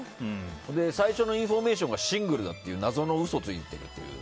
最初のインフォメーションがシングルだって謎の嘘をついているという。